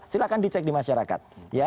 silahkan dicek di masyarakat